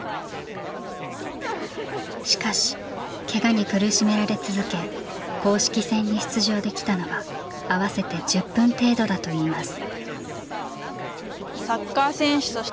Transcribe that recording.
しかしケガに苦しめられ続け公式戦に出場できたのは合わせて１０分程度だといいます。